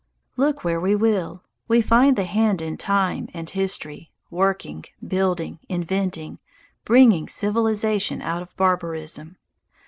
Look where we will, we find the hand in time and history, working, building, inventing, bringing civilization out of barbarism.